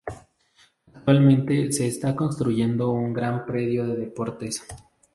Actualmente se está construyendo un gran predio de deportes.